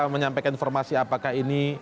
menyampaikan informasi apakah ini